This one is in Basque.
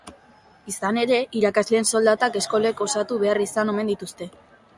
Izan ere, irakasleen soldatak eskolek osatu behar izan omen dituzte.